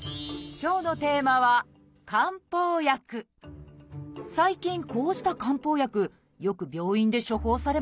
今日のテーマは最近こうした漢方薬よく病院で処方されませんか？